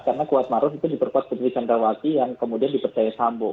karena kuat ma'ruf itu diperkuat putri candrawati yang kemudian dipercaya sambo